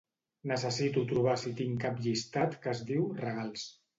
Necessito trobar si tinc cap llistat que es diu "regals".